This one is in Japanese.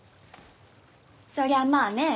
そりゃまあ